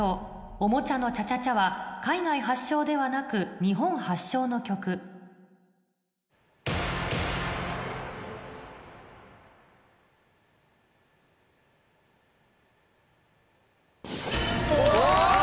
『おもちゃのチャチャチャ』は海外発祥ではなく日本発祥の曲お！